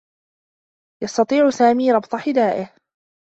يستطيع سامي ربط حذائه.